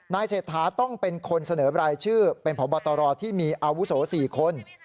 เศรษฐาต้องเป็นคนเสนอรายชื่อเป็นพบตรที่มีอาวุโส๔คน